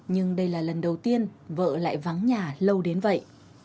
nhưng đây là lần đầu tiên vợ lại vắng nhà lâu đến vậy